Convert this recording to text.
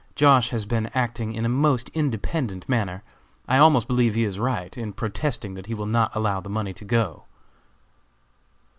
Josh. has been acting in a most independent manner. I almost believe he is right, in protesting that he will not allow the money to go."